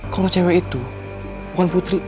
kalau cewek itu bukan putri